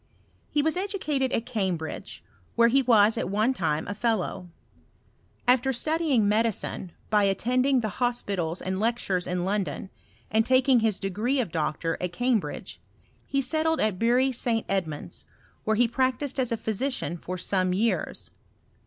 He was edu cated at Cambridge y where he was at one time a iiUow. Afiter studying medicine by attending the hospitals and lectures in London, and taking his d^ree of doctor at Cambridge^ he settled at Bury Sc Edmund's, where he practised as a physician fos aone years.